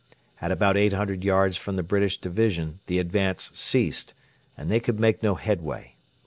At about 800 yards from the British division the advance ceased, and they could make no headway.